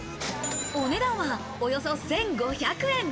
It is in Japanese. お値段は、およそ１５００円。